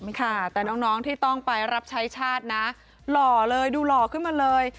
ค่ะแต่น้องที่ต้องไปรับใช้ชาตินะหล่อเลยดูหล่อขึ้นมาเลย